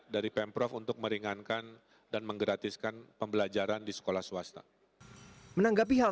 dari pemprov untuk meringankan dan menggratiskan pembelajaran di sekolah swasta menanggapi hal